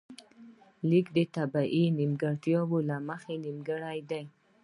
ليک د طبیعي نیمګړتیا له مخې نیمګړی دی